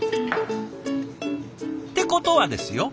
ってことはですよ